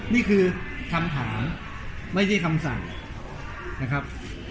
นี่คือคำถามไม่ใช่คำสั่งนะครับ